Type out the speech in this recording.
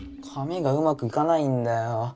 髪がうまくいかないんだよ。